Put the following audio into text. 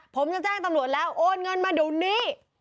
ผมจะแจ้งตำรวจแล้วโอนเงินมาเดี๋ยวนี้